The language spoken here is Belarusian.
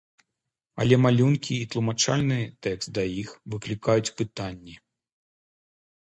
Але малюнкі і тлумачальны тэкст да іх выклікаюць пытанні.